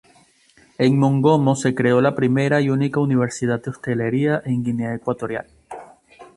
En Mongomo se creó la primera y única universidad de hostelería en Guinea Ecuatorial.